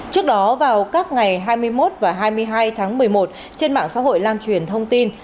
trước đó vào các ngày hai mươi một và hai mươi hai tháng một mươi một trên mạng xã hội lan truyền thông tin